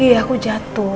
iya aku jatuh